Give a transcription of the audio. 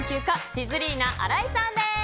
シズリーナ荒井さんです。